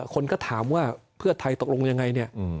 คนก็ถามว่าเพื่อไทยตกลงยังไงเนี่ย